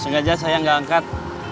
sengaja saya gak angkat